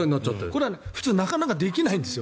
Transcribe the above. これは普通なかなかできないんです。